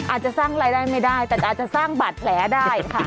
อาจจะสร้างรายได้ไม่ได้แต่อาจจะสร้างบาดแผลได้ค่ะ